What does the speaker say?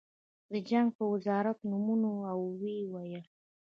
د جنګ په وزارت ونوموه او ویې ویل